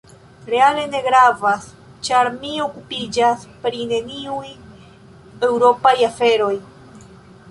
Reale ne gravas ĉar mi okupiĝas pri neniuj eŭropaj aferoj.